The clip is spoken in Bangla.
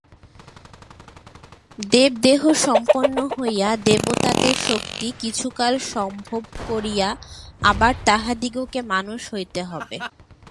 দেবদেহসম্পন্ন হইয়া দেবতাদের শক্তি কিছুকাল সম্ভোগ করিয়া আবার তাহাদিগকে মানুষ হইতে হইবে।